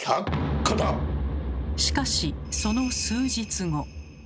しかしその数日後。